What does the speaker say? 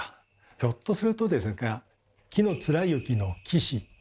ひょっとするとですが紀貫之の紀氏。